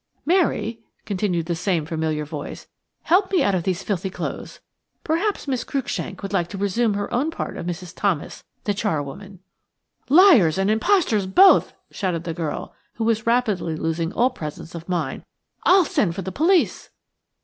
"Mary," continued the same familiar voice, "help me out of these filthy clothes. Perhaps Miss Cruikshank would like to resume her own part of Mrs. Thomas, the charwoman." "Liars and impostors–both!" shouted the girl, who was rapidly losing all presence of mind. "I'll send for the police."